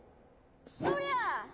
そりゃ！